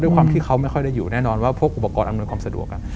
ความที่เขาไม่ค่อยได้อยู่แน่นอนว่าพวกอุปกรณ์อำนวยความสะดวก